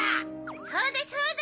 そうだそうだ！